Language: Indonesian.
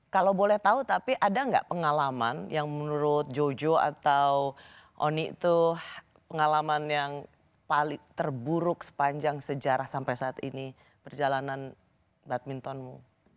kalau boleh tahu tapi ada nggak pengalaman yang menurut jojo atau oni tuh pengalaman yang paling terburuk sepanjang sejarah sampai saat ini perjalanan badmintonmu